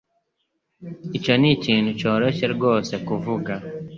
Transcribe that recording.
Icyo ni ikintu cyoroshye rwose kuvuga.